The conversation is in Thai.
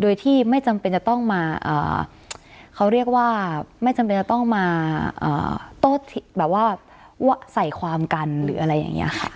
โดยที่ไม่จำเป็นจะต้องมาเขาเรียกว่าไม่จำเป็นจะต้องมาโต้แบบว่าใส่ความกันหรืออะไรอย่างนี้ค่ะ